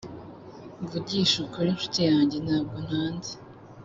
mvugishije ukuri, nshuti yanjye, ntabwo ntanze.